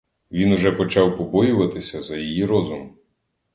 Він уже почав побоюватися за її розум.